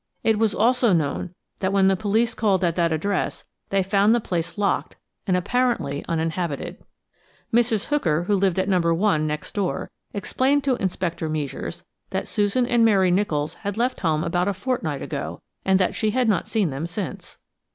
It was also known that when the police called at that address they found the place locked and apparently uninhabited. Mrs. Hooker, who lived at No. 1 next door, explained to Inspector Meisures that Susan and Mary Nicholls had left home about a fortnight ago, and that she had not seen them since.